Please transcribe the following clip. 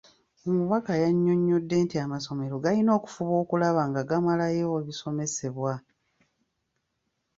Omubaka yannyonnyodde nti amasomero galina okufuba okulaba nga gamalayo ebisomesebwa.